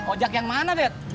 ojak yang mana dep